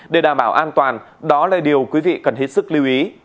để đảm bảo an toàn đó là điều quý vị cần hết sức lưu ý